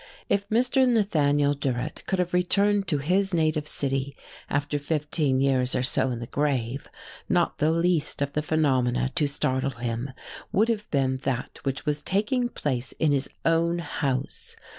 If Mr. Nathaniel Durrett could have returned to his native city after fifteen years or so in the grave, not the least of the phenomena to startle him would have been that which was taking place in his own house.